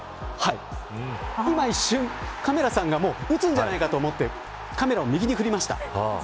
今一瞬、カメラさんが打つんじゃないかと思ってカメラを右に振りました。